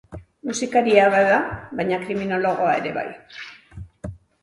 Musikaria bada, baina kriminologoa ere bai.